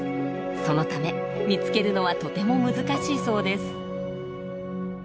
そのため見つけるのはとても難しいそうです。